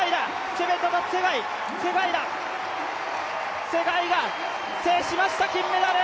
ツェガイが制しました、金メダル！